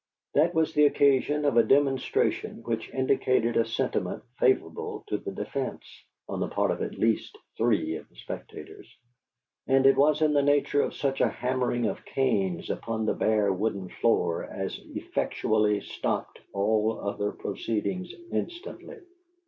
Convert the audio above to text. That was the occasion of a demonstration which indicated a sentiment favorable to the defence (on the part of at least three of the spectators); and it was in the nature of such a hammering of canes upon the bare wooden floor as effectually stopped all other proceedings instantly.